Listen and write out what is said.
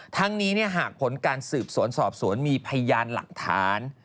ทั้งนี้หากผลการสืบสวนสอบสวนมีพยานหลักฐาน